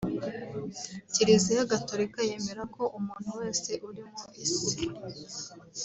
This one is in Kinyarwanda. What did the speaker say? Kiriziya Gatorika yemera ko umuntu wese uri mu isi